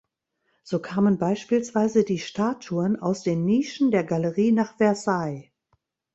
So kamen beispielsweise die Statuen aus den Nischen der Galerie nach Versailles.